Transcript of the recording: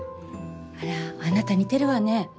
あらあなた似てるわねぇ。